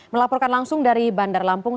melaporkan langsung dari bandar lampung